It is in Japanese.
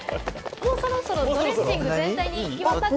もうそろそろドレッシング行き渡って。